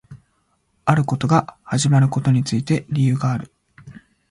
あることが始まることについて理由がある